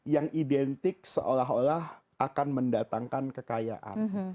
yang identik seolah olah akan mendatangkan kekayaan